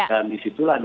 dan disitulah nanti